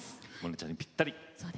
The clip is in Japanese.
萌音ちゃんにぴったり。